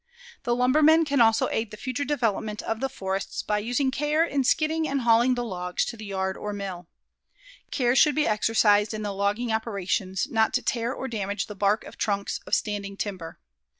The lumbermen can also aid the future development of the forests by using care in skidding and hauling the logs to the yard or mill. Care should be exercised in the logging operations not to tear or damage the bark of trunks of standing timber.